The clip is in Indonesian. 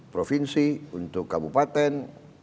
provinsi untuk kabupaten